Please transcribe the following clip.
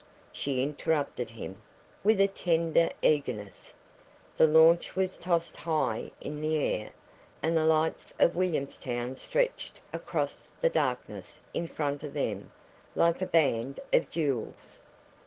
she interrupted him, with a tender eagerness. The launch was tossed high in the air, and the lights of Williamstown stretched across the darkness in front of them like a band of jewels.